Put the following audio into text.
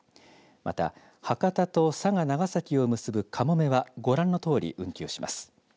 また博多と佐賀、長崎を結ぶかもめはご覧のとおり運休します。